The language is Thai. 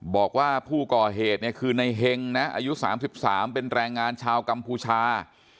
บอกว่าผู้ก่อเหตุเนี่ยคือในเฮงนะอายุ๓๓เป็นแรงงานชาวกัมพูชา